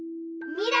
み！ら！